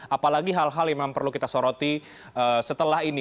apalagi hal hal yang memang perlu kita soroti setelah ini